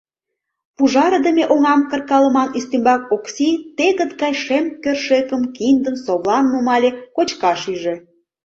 Пужарыдыме оҥам кыркалыман ӱстембак Окси тегыт гай шем кӧршӧкым, киндым, совлам нумале, кочкаш ӱжӧ.